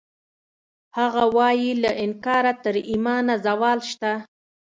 هغه وایی له انکاره تر ایمانه زوال شته